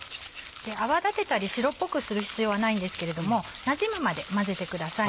泡立てたり白っぽくする必要はないんですけれどもなじむまで混ぜてください。